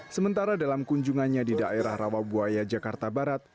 sementara dalam kunjungannya di daerah rawabuaya jakarta barat